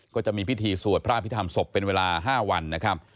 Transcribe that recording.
ก็จะมีพิธีสวดพระอภิษฐรรมศพเป็นเวลา๕วันนะครับ